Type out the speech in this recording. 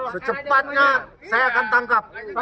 secepatnya saya akan tangkap